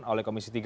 oleh komisi tiga